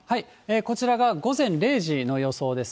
こちらが午前０時の予想です。